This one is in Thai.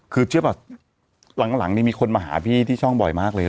คือเชื่อป่ะหลังนี่มีคนมาหาพี่ที่ช่องบ่อยมากเลย